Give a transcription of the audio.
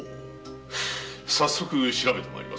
早速調べて参ります。